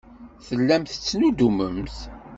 Tellamt tettnuddumemt.